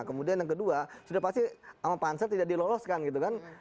kemudian yang kedua sudah pasti sama pansel tidak diloloskan gitu kan